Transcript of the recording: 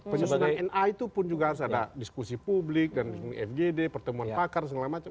penyusunan na itu pun juga harus ada diskusi publik dan fgd pertemuan pakar segala macam